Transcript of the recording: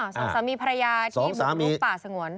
๒สามีปรยาที่บุทรุ่งป่าสงวน